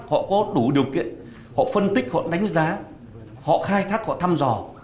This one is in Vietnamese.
họ có đủ điều kiện họ phân tích họ đánh giá họ khai thác họ thăm dò